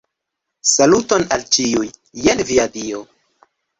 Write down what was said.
Saluton al ĉiuj, jen via dio.